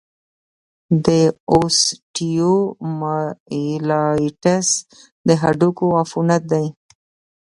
د اوسټیومایلايټس د هډوکو عفونت دی.